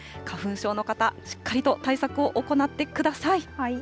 花粉症の方、しっかりと対策を行ってください。